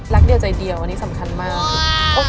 เดียวใจเดียวอันนี้สำคัญมาก